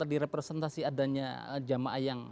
direpresentasi adanya jamaah yang